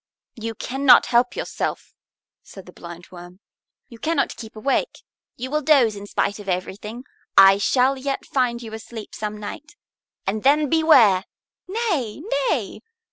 "You cannot help yourself," said the Blindworm. "You cannot keep awake. You will drowse in spite of everything. I shall yet find you asleep some night, and then beware!" "Nay, nay!"